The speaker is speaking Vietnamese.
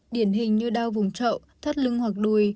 điển hình như đau vùng trậu thắt lưng hoặc đùi